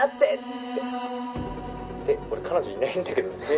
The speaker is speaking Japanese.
「って俺彼女いないんだけどね」